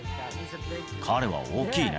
彼は大きいね。